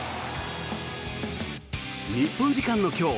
日本時間の今日